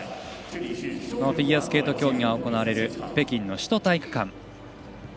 フィギュアスケート競技が行われる北京の首都体育館。